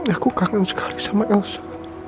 aku kangen sekali sama elsa